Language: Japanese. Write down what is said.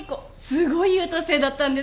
すごい優等生だったんです。